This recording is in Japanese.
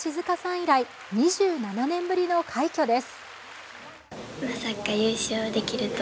以来２７年ぶりの快挙です。